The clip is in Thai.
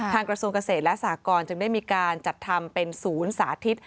กระทรวงเกษตรและสากรจึงได้มีการจัดทำเป็นศูนย์สาธิต